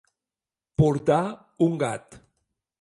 Portar un gat.